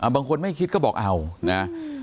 บางคนไม่คิดก็บอกเอานะ